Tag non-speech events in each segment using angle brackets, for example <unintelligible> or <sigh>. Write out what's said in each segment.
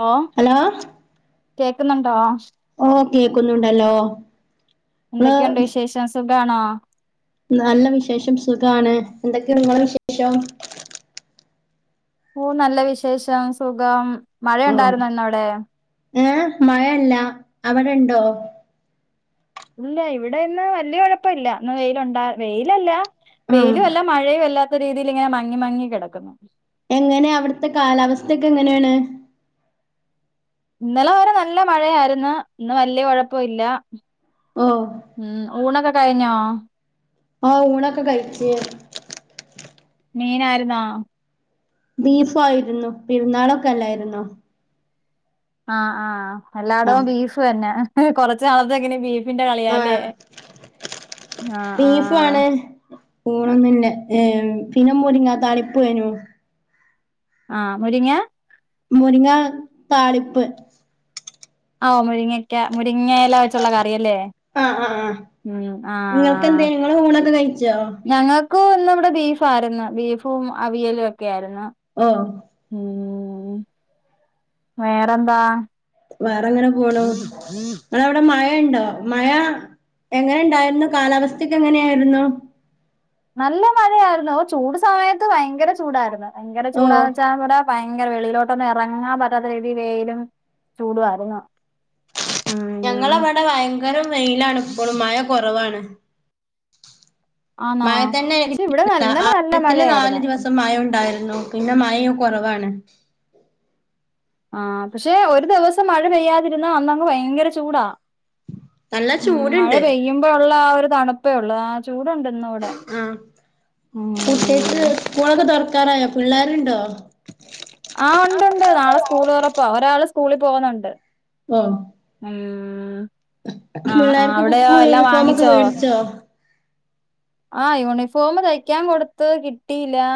Hello കേക്ക്ന്നുണ്ടോ ഓ കേക്കുന്നുണ്ടല്ലോ. എന്തൊക്കെ ഉണ്ട് ങ്ങള് വിശേഷം സുഖാണോ നല്ല വിശേഷം സുഖാണ് എന്തേക്കെ ഉണ്ട് ഇങ്ങളെ വിശേഷം ഓ നല്ല വിശേഷം സുഖം മഴ ഓ ഇണ്ടാർന്നോ ഇന്ന് അവ്ടെ. ഏ മഴല്ല അവടണ്ടോ ഇല്ല ഇവടെ ഇന്ന് വല്ല്യ കോഴപ്പ ഇല്ല ഇന്ന് വെയിലുണ്ടാ വെയിലല്ല ആ വെയിലു അല്ല മഴയു അല്ലാത്ത രീതിയില് ഇങ്ങനെ മങ്ങി മങ്ങി കെടക്കുന്നു. എങ്ങനെ അവട്ത്തെ കാലാവസ്ഥക്കെ എങ്ങനെണ് ഇന്നലെ വരെ നല്ല മഴയായിരുന്നു ഇന്ന് വല്ല്യ കൊഴപ്പ ഇല്ല. ഓ ഉം ഊണൊക്ക കഴിഞ്ഞോ ആ ഊണൊക്ക കഴിച് മീനായിര്ന്നോ ബീഫ ആയിരുന്നു പെരുന്നാളൊക്ക അല്ലായിര്ന്നോ ആ ആ ആ എല്ലാടോം ബീഫ് തന്നെ കൊറച് നാളത്തേക്ക് ഇനി ബീ ഫിന്റെ ആ കളിയാലേ ആ ആ ഊണൊന്നില്ല ഏ പിന്നെ മുരിങ്ങാ താളിപ്പെനു ആ മുരിങ്ങ മുരിങ്ങ താളിപ്പ് അ ഓ മുരിങ്ങക്ക മുരിങ്ങ എല വെച്ചുള്ള കറിയല്ലേ ആ ആ ആ ഉം ആ നിങ്ങൾക്കെന്തേ നിങ്ങള് ഊണൊക്കെ കഴിച്ചോ ഞങ്ങ ക്കു ഇന്ന് ഇവടെ ബീഫാ ആരുന്നു ബീഫും അവിയലും ഒക്കെ ആയിരുന്നു ഓ ഉം വേറെന്താ വേറെ അങ്ങനെ പോണു ഇങ്ങളെ അവ്ടെ മഴ ഇണ്ടോ മഴ എങ്ങനെ ഇണ്ടായിരുന്നു കാലാവസ്ഥക്കെ എങ്ങനെ ആയിരുന്നു നല്ല മയയായിരുന്നു ഓ ചൂട് സമയത്ത് ഭയങ്കര ചൂടായിരുന്നു ഭയങ്കര ഓ ചൂടാന്ന് വെച്ചാ ഇവട ഭയങ്കര വെളിഴിലോട്ടൊന്നും എറങ്ങാം പറ്റാത്ത രീതീ വെയിലും ചൂടുവാർന്നു ഞങ്ങളെവടെ ഭയങ്കരം വെയിലാണ് ഇപ്പളും മഴ കൊറവാണ് ആന്നോ മഴ തന്നെ പക്ഷെ ഇവിടെ എനിക്ക് ഇന്നലെ നല്ല ആദ്യത്തില് നാല് മഴയായിരുന്നു ദിവസം മഴ ഉണ്ടായിരുന്നു പിന്നെ മയേം കൊറവാണ് ആഹ് പക്ഷെ ഒരു ദിവസം മഴ പെയ്യാതിരുന്നാ അന്നങ്ങ് ഭയങ്കര ചൂടാ നല്ല ഉം മഴ ചൂടുണ്ട് പെയ്യുമ്പോ ഒള്ള ആ ഒരു തണുപ്പേ ഒള്ളൂ ആഹ് ചൂടൊണ്ട് ഇന്നിവിടെ ആഹ് ഉം കുട്ട്യേക്ക് സ്കൂളൊക്കെ തൊറക്കാറായോ പിള്ളേരുണ്ടോ ആഹ് ഒണ്ട് ഒണ്ട് നാളെ സ്കൂള് തൊറപ്പാ ഒരാള് സ്കൂളി പോന്നൊണ്ട് ഓ ഉം ആഹ് ആഹ് പിള്ളേർക്ക് അവിടെയോ ബുക്കും എല്ലാം യൂണിഫോമൊക്കെ വാങ്ങിച്ചോ <unintelligible> ആഹ് യൂണിഫോമ് തയ്ക്കാൻ കൊടുത്ത് കിട്ടിയില്ലാ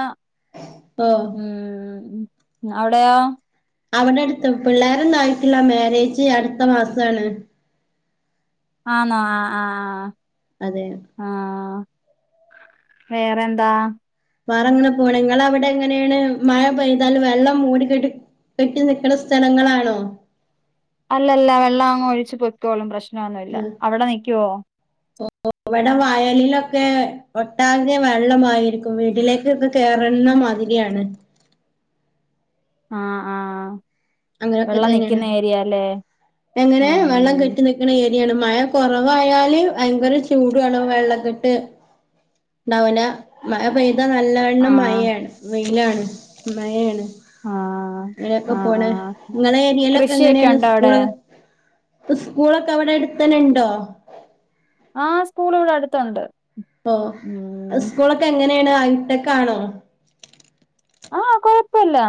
ആഹ് ഉം അവിടെയോ അവിടെ അടുത്ത് പിള്ളേരൊന്നും ആയിട്ടില്ലാ മാരേജ് അടുത്ത മാസാണ് ആന്നാ ആഹ് ആഹ് അതെയോ ആഹ് വേറെന്താ? വേറെങ്ങനെ പോണ് ഇങ്ങളവിടെ എങ്ങനെയാണ് മഴ പെയ്താല് വെള്ളം മൂടിക്കെട്ടി കെട്ടി നിക്കണ സ്ഥലങ്ങളാണോ? അല്ലല്ല വെള്ളം അങ്ങ് ഒഴിച്ച് പൊയ്ക്കോളും പ്രശ്നവൊന്നും ഇല്ല അവിടെ നിക്കുവോ <unintelligible> ഇവിടെ വയലിലൊക്കെ ഒട്ടാകെ വെള്ളമായിരിക്കും വീട്ടിലേക്കൊക്കെ കേറന്ന മാതിരിയാണ് ആഹ് ആഹ് അങ്ങനെയൊക്കെ തന്നെയാണ് എങ്ങനെ വെള്ളം ഉം കെട്ടിനിക്ക് ക്കണ ഏരിയാണ് മഴ കൊറവായാല് ഭയങ്കര ചൂടുവാണ് വെള്ളക്കെട്ട് ഇണ്ടാവൂല്ലാ മഴ പെയ്താ ആ നല്ലവണ്ണം മയയാണ് വെയിലാണ് മയെയാണ് ആ അങ്ങനൊക്കെ ആ ആ പോണ് ഇങ്ങളെ ഏരിയേലൊക്കെ കൃഷിയൊക്കെ എങ്ങനെയാണ് ഉണ്ടോ അവിടെ സ്കൂള് ഉസ്കൂളൊക്കെ അവിടെ അടുത്തന്നെ ഉണ്ടോ ആഹ് സ്കൂളിവിടെ അടുത്തൊണ്ട് ആഹ് ഇസ്കൂളൊക്കെ എങ്ങനെയാണ് ഹൈട്ടെക്കാണോ ആഹ് കൊഴപ്പയില്ലാ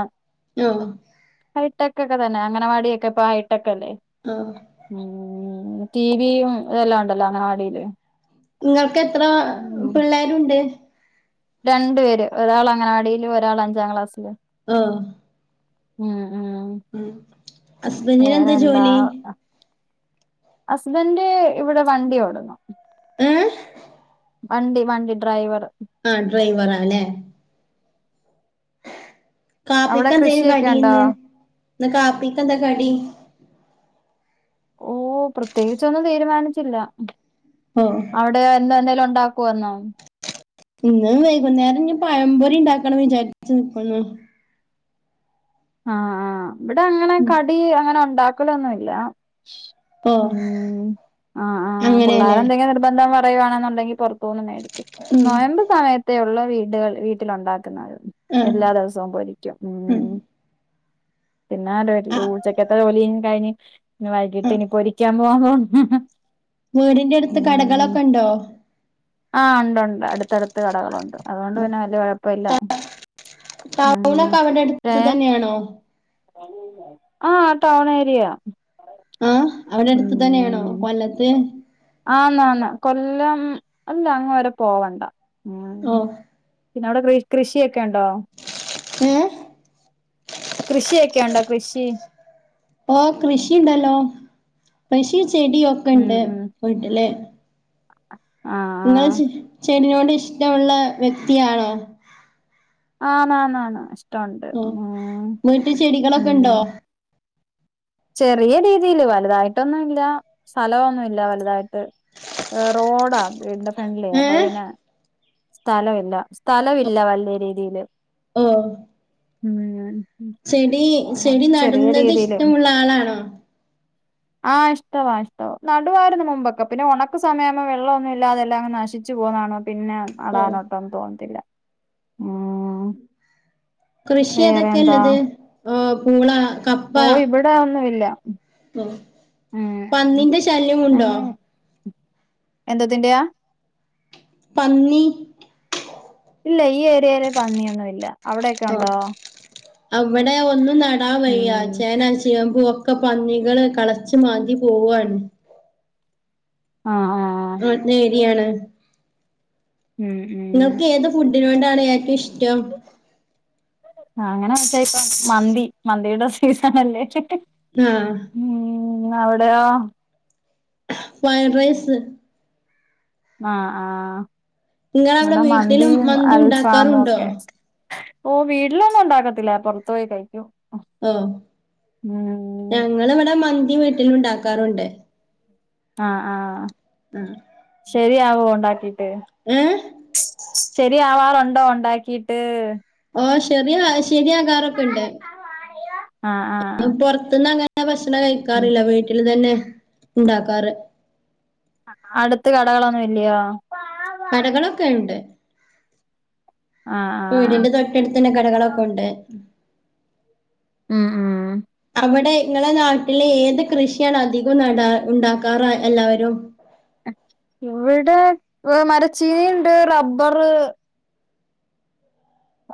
ആഹ് ഹൈട്ടെക്കെക്കെ തന്നെ അംഗനവാടിയൊക്കെ ഇപ്പൊ ഹൈട്ടെക്കല്ലേ. ആഹ്. ഉം ടീവീയും ഇതെല്ലാം ഒണ്ടല്ലോ അഗനവാടീല്. ഇങ്ങക്കെത്ര പിള്ളേരുണ്ട്. രണ്ട് പേര് ഒരാൾ അങ്ങനവാടീലും, ഒരാള് അഞ്ചാം ക്ലാസ്സിലും. ആഹ്. ഉം ഉം ഹസ്ബൻഡിന് എന്താ വേറെന്താ. ജോലി ഹസ്ബന്റ് ഇവിടെ വണ്ടിയോടുന്നു. ഏഹ്. വണ്ടി വണ്ടി ഡ്രൈവറ്. ആഹ് ഡ്രൈവറാല്ലേ. അവിടെ കാപ്പിക്കെന്തേനു കൃഷിയൊക്കെ ഉണ്ടോ കടീന്ന് ഇന്ന് കാപ്പിക്കെന്താ കടി? ഓഹ് പ്രത്യേകിച്ചൊന്നും തീരുമാനിച്ചില്ലാ. ആഹ് അവിടെ എന്നും എന്തേലും ഉണ്ടാക്കോ എന്നും. ഇന്ന് വൈകുന്നേരം ഇഞ്ഞ് പഴംപൊരി ഇണ്ടാക്കണം വിചാരിച്ച് നിക്കുന്നു. ആഹ് ആഹ്. ഇവ്ടെ അങ്ങനെ കടി അങ്ങനെ ഉണ്ടാക്കലൊന്നൂല്ലാ. ഓ ഉം ആഹ്. ആഹ് അങ്ങനെയല്ലേ പിള്ളേരെന്തെങ്കി നിർബന്ധം പറ പറയുവാണെന്നുണ്ടെങ്കി പൊറത്തൂന്ന് മേടിക്കും. ഉം നൊയമ്പ് സമയത്തെ ഒള്ളൂ വീടുകൾ വീട്ടിലുണ്ടാക്കുന്നത്. ആഹ് എല്ലാ ദിവസവും പൊരിക്കും ഉം. ഇന്നാലും എടി ആഹ് ഊച്ചക്കത്തെ ജോലി കഴിഞ് വൈകിട്ട് ആഹ് ഇനിപ്പൊരിക്കാൻ പോവാൻ പോവുന്നു. വീടിന്റെടുത്ത് കടകളൊക്കണ്ടോ. ആഹ് ഒണ്ടൊണ്ട് അടുത്തടുത്ത് കടകളുണ്ട്. അതുകൊണ്ട് പിന്നെ വല്ല്യെ കൊഴപ്പൊല്ലാ. ടൗണൊക്കെ അവിടെ അട്ത്ത് ഏഹ് തന്നെ ആണോ. ആഹ് ടൗണേര്യ. ആഹ് അവിടെ അടുത്ത് തന്നേണോ കൊല്ലത്ത്. ആന്നാന്ന് കൊല്ലം അല്ല അങ്ങ് വരെ പോവണ്ട. ഓഹ് പിന്നെ അവിടെ കൃഷിയൊക്കെ ഇണ്ടോ. ഏഹ്. കൃഷിയൊക്കെ ഉണ്ടോ കൃഷി. ആഹ് കൃഷി ഇണ്ടല്ലോ കൃഷി ചെടി ഉം ഒക്കെണ്ട്‌ ഉം വീട്ടില്. ഇങ്ങൾ ആഹ് ചെ ചെടിനോട് ഇഷ്ടവുള്ള വെക്തിയാണോ. ആണാണാണ്. വീട്ടി ചെടികളൊക്കെ ഉം ഇണ്ടോ. ചെറിയ രീതീല്. വലുതായിട്ടൊന്നുല്ലാ സ്ഥലവൊന്നൂല്ലാ വലുതായിട്ട്. ഹ് റോഡാ വീടിന്റെ ഫ്രണ്ടിലെ അപ്പൊ ഏഹ് പിന്നെ. സ്ഥലവില്ല സ്ഥലവില്ലാ വല്ല്യേരീതീല്. അയ്യൊ. ഉം. ചെടി ചെടി ചെറിയ നടുന്നത് രീതിയില് ഇഷ്ടുള്ള ആളാണോ. ആഹ് ഇഷ്ടവാ ഇഷ്ടവാ നടുവാരന്ന് മുമ്പൊക്കെ. പിന്നെ ഒണക്ക് സമയാവുമ്പൊ വെള്ളം ഒന്നുല്ലാതെ എല്ലാ അങ്ങ് നാശി ച്ച് പോണാണും. പിന്നെ ഓഹ് നടാനോട്ടൊന്നും തോന്നത്തില്ല ഉം. കൃഷി ഏതൊക്കെ വേറെന്താ ഇല്ലത് ഹ് പൂള. പോയി. ഇബടെ അഹൊന്നും ഇല്ലാ. ഓഹ് പന്നിന്റെ ശല്യമുണ്ടോ. എന്തത്തിന്റെ. പന്നി. ഇല്ല ഈ ഏര്യേല് പന്നിയൊന്നും ഇല്ല. ഓഹ് അവിടെ ഒന്നും നടാ ഉം വയ്യാ. ചേന ചേമ്പ് ഒക്കെ പന്നികള് കളച്ച് മാന്തി പോവാണ്. ആഹ്. <unintelligible> ൻ ഏര്യാണ്. ഉം ഉം ഇങ്ങൾക്ക് ഏത് ഫുഡിനോടാണ് ഏറ്റവും ഇഷ്ടം. അങ്ങനെ വെച്ചാ ഇപ്പ മന്തി മന്തീടെ സീസണെല്ലേ. ഞാഹ് ഉം ഔടെയോ ഹ ഫൈഡ്രയ്സ്. ആ ആഹ് നിങ്ങളവിടെ ഇവടെ വീട്ടിലും മന്തിം മന്തി അൽഫാമും ഉണ്ടാക്കാറുണ്ടോ ഒക്കെ ഓഹ് വീട്ടിലൊന്നും ഒണ്ടാക്കത്തില്ല പൊർത്തു പോയി കഴിക്കും. ഓ ഉം ഞങ്ങള് വടെ മന്തി വീട്ടിലുണ്ടാക്കാറുണ്ട്. ആ ആഹ് ആ ശെരിയാവോ ഒണ്ടാക്കീട്ട്? ഏ ശെരിയാവാറൊണ്ടോ ഒണ്ടാക്കീട്ട്? ഓഹ് ശെറിയാ ശെരിയാകാറൊക്കെണ്ട്. അയ്യോ. പൊർത്ത്ന്ന അങ്ങനെ ഭക്ഷണം ഉം കഴിക്കാറില്ല വീട്ടിൽ തന്നെ ഉണ്ടാക്കാറ്. അടുത്ത് കടകളൊന്നും ഇല്ലിയോ? കടകളൊക്കെണ്ട്. ആ അ വീടിന്റെ തൊട്ടടുത്തന്നെ കടകളൊക്കെ ഒണ്ട്. ഉം ഉം. അവടെ ഇങ്ങളെ നാട്ടില് ഏത് കൃഷിയാണ് അധികം നടാ ഉണ്ടാക്കാറ് എല്ലാവരും? ഇവടെ മരച്ചീനിയിണ്ട് റബ്ബറ്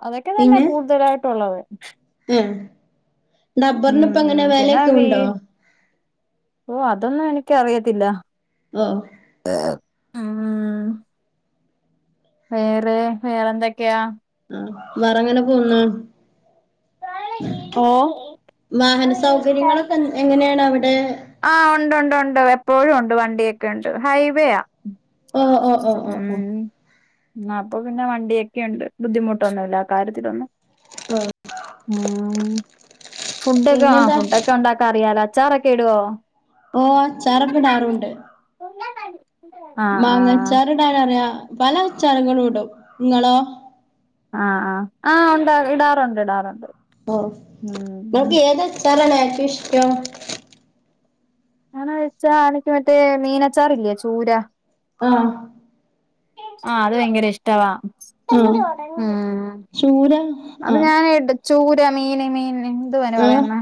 അതൊക്കെ തന്നെ കൂടുതലായിട്ടൊള്ളത്. ഉം, ഉം ഡബ്ബർന്പ്പ ഉം എങ്ങനെ പിന്നെ വെലയൊക്കെ വീ ഉണ്ടോ? ഓ അതൊന്നും എനിക്കറിയത്തില്ല. ഓ <unintelligible> ഉം വേറെ വേറെന്തൊക്കെയാ? ആഹ് വേറെങ്ങനെ പോവ്ന്ന്? ഓ വാഹന സൗകര്യങ്ങളൊക്കെ എങ് എങ്ങനേണവടെ? ആഹ് ഒണ്ട് ഒണ്ട് ഒണ്ട് എപ്പോഴും ഒണ്ട് വണ്ടിയൊക്കെ ഒണ്ട് ഹൈവേആ. ഓ ഓ ഓ ഓ ഓ ആ അപ്പൊ പിന്നെ വണ്ടിയൊക്കെയൊണ്ട് ബുദ്ധിമുട്ടൊന്നുല്ല ആ കാര്യത്തിലൊന്നും. ആ ഉം ഫുഡൊക്കെ ആ ഫുഡൊക്കെ ഒണ്ടാക്കാ അറിയാലോ അച്ചാറൊക്കെ ഇടുവോ? ഓഹ് അച്ചാറൊക്കെ ഇടാറുണ്ട്. <unintelligible> <unintelligible> ആഹ് ആഹ് മാങ്ങച്ചാറിടാനറിയാ പല അച്ചാറുകളും ഇടും ഇങ്ങളോ? ആ ആ ആഹ് ഒണ്ട് ഇടാറൊണ്ട് ഇടാറൊണ്ട്. ഓഹ് ഇങ്ങക്ക് ഏതച്ചാറാണ് ഏറ്റവും ഇഷ്ടം? അങ്ങനെ ചോയ്ച്ചാ എനക്ക് മറ്റേ മീനച്ചാറില്ലേ ചൂരാ. ആഹ്. ആഹ് അത് ഭയങ്കര ഇഷ് ട്ടവാ ആഹ് ഉം ചൂര അത് ആഹ് ഞാൻ എടു ചൂര മീന് മീൻന് എന്തുവാ അയ്ന് ഏഹ് പറയുന്നെ?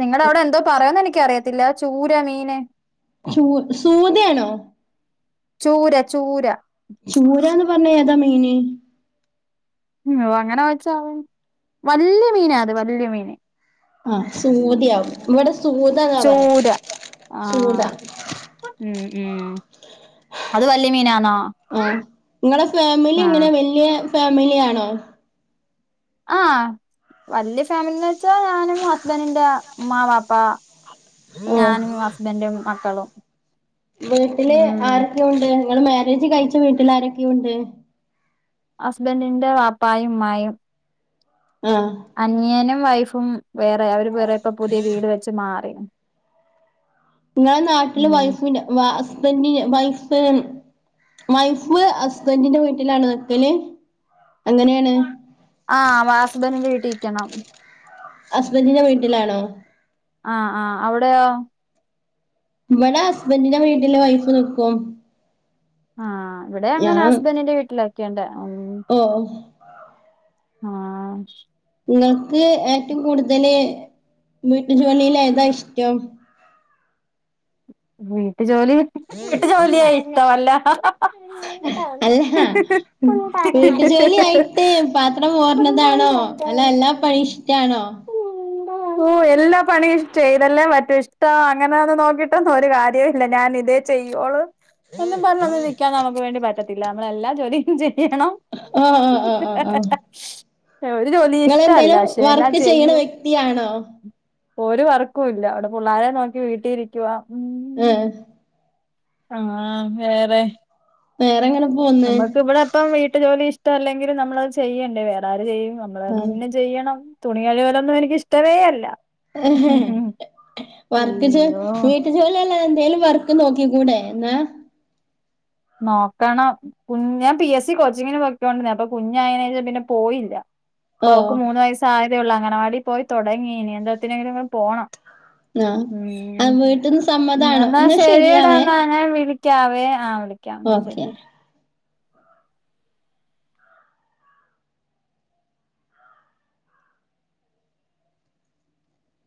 നിങ്ങടവടെ എന്തോ പറയോന്ന് എനിക്കറിയത്തില്ല ചൂര മീന് ചൂ സൂതയാണോ? ചൂര ചൂര. ചൂരാന്ന് പർഞ്ഞ ഏതാ മീന്? ഉം അങ്ങനെ വെച്ചാ വല്ല്യ മീനാ അത് വല്ല്യ മീന്. ആഹ് സൂദ്യാവും ഉം ഇവടെ സൂത എന്നാ പറയാ ചൂര സൂത. ആഹ് ഉം ഉം അത് വല്ല്യ മീനാണോ? ആഹ് നിങ്ങളെ ഫാമിലി എങ്ങനെ വല്ല്യേ ഫാമിലിയാണോ ആഹ് വല്ല്യ ഫാമിലിന്ന് വെച്ചാ ഞാനും ഹസ്ബന്റിന്റെ ഇമ്മാ വാപ്പ ഓ ഞാനും ഹസ്ബൻഡു മക്കളും വീട്ട്ല് ഉം ആരൊക്കെ ഉണ്ട് നിങ്ങള് മേരേജ് കഴിച്ച വീട്ടിൽ ആരൊക്കെ യുണ്ട് ഹസ്ബന്റിന്റെ വാപ്പായും ഇമ്മായും ആഹ് അനിയനും വൈഫും വേറെ അവര് വേറെ ഇപ്പൊ പുതിയ വീട് വെച്ച് മാറി ക്ണ് നിങ്ങളെ നാട്ടില് വൈഫിൻ വ ഹസ്ബന്റിന് വൈഫ് വൈഫ് ഹസ്ബന്റിന്റെ വീട്ടിലാണോ ക്കല് എങ്ങനെണ് ആഹ് വ ഹസ്ബന്റിന്റെ വീട്ടി ക്കണം ഹസ്ബന്റിന്റെ വീട്ടിലാണോ ആഹ് ആഹ് അവിടെയോ ഇവടെ ഹസ്ബന്റിന്റെ വീട്ടില് വൈഫ് നിക്കും ആഹ് ഇവിടെ അങ്ങനാ ഹസ്ബന്റിന്റെ വീട്ടിലാ നിക്കേണ്ട് ഓഹ് ആഹ് ഇങ്ങക്ക് ഏറ്റവും കൂട്തല് വീട്ടു ജോലീൽ ഏതാ ഇഷ്ടം വീട്ട് ജോലി വീട്ടു ജോലിയേ ഇഷ്ടവല്ല ഉം വീട്ടു ജോലി ആയിട്ട് പാത്രം മോർണതാണോ അല്ല എല്ലാം പണി ഇഷ്ടാണോ ഓഹ് എല്ലാ പണിയുംചെയ്തല്ലേ പറ്റൂ ഇഷ്ടാ അങ്ങനെന്ന് നോക്കി ഒരു കാര്യയും ഇല്ല ഞാൻ ഇതേ ചെയ്യോളൂ എന്നും പറഞ്ഞൊന്ന് നിക്കാൻ നമുക്ക് വേണ്ടി പ പറ്റത്തില്ല നമ്മള് എല്ലാ ജോലിം ചെയ്യണം ആഹ് ആഹ് ആഹ് ആഹ് ആഹ് ഒരു ജോലിയും ഇഷ്ടല്ല പക്ഷെ എല്ലാം വർക്ക് ചെയ്യണ ചെയ്യും വ്യക്തിയാണോ ഒരു വർക്കും ഇല്ല ഇവടെ പുള്ളാരെ നോക്കി വീട്ടി ഇരിക്കുവാ ഉം ഏഹ് ആഹ് വേറെ വേറെങ്ങനെ പോന്ന് നമ്മക്ക് ഇവിടെ ഇപ്പം വീട്ടു ജോലി ഇഷ്ട വല്ലെങ്കിലും നമ്മളത് ചെയ്യണ്ടേ വേറെ ആര് ചെയ്യും നമ്മളന്നെ ചെയ്യണം തുണി കഴുകലൊന്നും എനിക്കിഷ്ടവേ അല്ല <unintelligible> വർക്ക് ജ് അയ്യോ വിട്ടു ജോലിഎല്ലാന്തേ എന്തേലുംവർക്ക് നോക്കി കൂടെ ന്നാ നോക്കണം കുഞ ഞാ പി എസ് സി കോച്ചിങ്ങിന് പൊക്കോണ്ടിരുന്ന അപ്പൊ കുഞ്ഞായേനേഷം പിന്നെ പോയില്ല ഇപ്പൊ അവക്ക് ഓഹ് മൂന്ന് വയസ്സ് ആയതേ ഒള്ളൂ അംഗനവാടി പോയി തൊടങ്ങി ഇനി എന്തോത്തിനെങ്കിലും പോണം ആഹ് ഉം ആഹ് വീട്ടിന്ന് സമ്മതാണോ എന്നാ ശരിയടാ ശരിയാവേ ന്നാഞാവിളി ക്കാവേ ആഹ് വിളിക്കാ ഓക്കെ ന്നാശരി